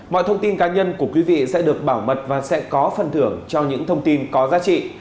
mọi thông tin cá nhân của quý vị sẽ được bảo mật và sẽ có phần thưởng cho những thông tin có giá trị